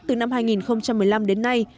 từ năm hai nghìn một mươi năm đến nay